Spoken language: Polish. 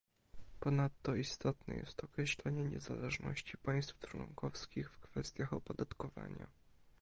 Ponadto istotne jest określenie niezależności państw członkowskich w kwestiach opodatkowania